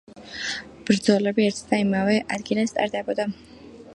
ბრძოლები ერთსა და იმავე ადგილას ტარდებოდა.